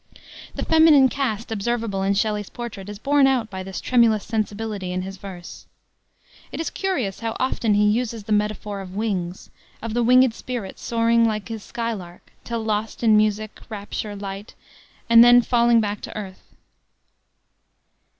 The feminine cast observable in Shelley's portrait is borne out by this tremulous sensibility in his verse. It is curious how often he uses the metaphor of wings: of the winged spirit, soaring, like his skylark, till lost in music, rapture, light, and then falling back to earth.